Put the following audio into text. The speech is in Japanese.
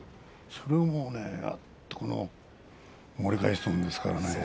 それを盛り返すんですからね